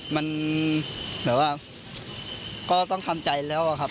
มันหมายถึงว่าก็ต้องทำใจแล้วครับ